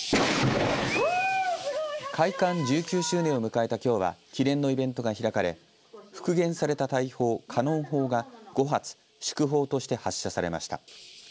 開館１９周年を迎えたきょうは記念のイベントが開かれ復元された大砲、カノン砲が５発祝砲として発射されました。